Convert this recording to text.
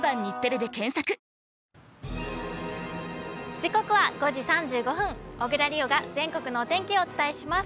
時刻は５時３５分、小椋梨央が全国のお天気をお伝えします。